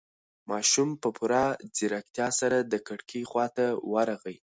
ماشوم په پوره ځيرکتیا سره د کړکۍ خواته ورغی.